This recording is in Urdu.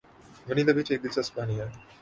ونی داوچ ایک دلچسپ کہانی ہے۔